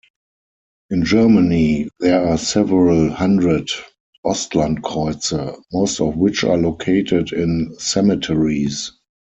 In Germany there are several hundred "Ostlandkreuze", most of which are located in cemeteries.